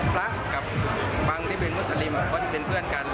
พระครับบางที่เป็นมุสลิมก็เป็นเพื่อนกัน